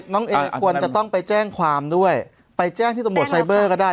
น้องเอควรจะต้องไปแจ้งความด้วยไปแจ้งที่ตำรวจไซเบอร์ก็ได้